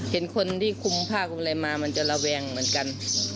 เห็นคนที่คุมผ้าคุมอะไรมามันจะระแวงเหมือนกัน